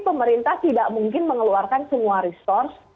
pemerintah tidak mungkin mengeluarkan semua resource